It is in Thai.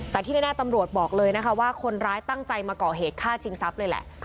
แต่ที่แน่ตำรวจบอกเลยนะคะว่าคนร้ายตั้งใจมาก่อเหตุฆ่าชิงทรัพย์เลยแหละ